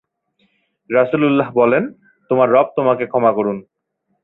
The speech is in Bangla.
রাসুলুল্লাহ বললেন, তোমার রব তোমাকে ক্ষমা করুন।